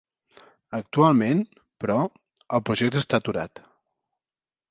Actualment, però, el projecte està aturat.